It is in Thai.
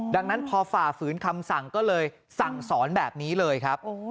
ดังนั้นพอฝ่าฝืนคำสั่งก็เลยสั่งสอนแบบนี้เลยครับ